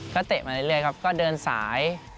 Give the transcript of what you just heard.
ก็เตะมาเรื่อยครับก็เดินสาย